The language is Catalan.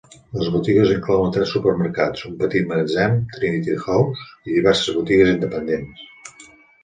Les botigues inclouen tres supermercats, un petit magatzem, Trinity House, i diverses botigues independents.